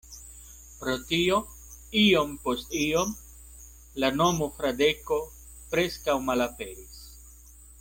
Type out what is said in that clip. Pro tio iom post iom la nomo Fradeko preskaŭ malaperis.